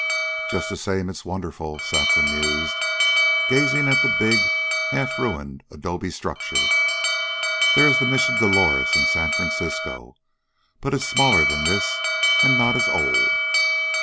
"Just the same, it's wonderful," Saxon mused, gazing at the big, half ruined adobe structure. "There is the Mission Dolores, in San Francisco, but it's smaller than this and not as old."